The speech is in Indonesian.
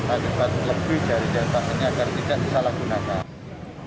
ada yang lebih dari data penyakit tidak bisa digunakan